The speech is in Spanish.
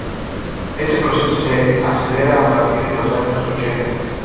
Este proceso se acelera a partir de los años ochenta.